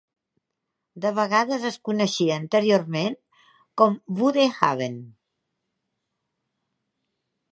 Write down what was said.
De vegades es coneixia anteriorment com Bude Haven.